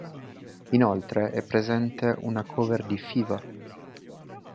Inoltre è presente una cover di "Fever".